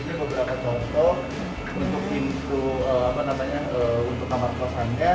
ini beberapa contoh untuk kamar kosannya